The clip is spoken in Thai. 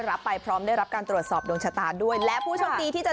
ถามมาเรื่องของการงานสุขภาพและโชคลาภท่า